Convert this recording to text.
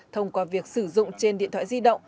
thông qua việc sử dụng trên điện thoại dịch vụ